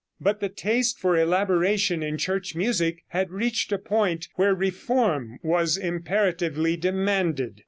But the taste for elaboration in church music had reached a point where reform was imperatively demanded.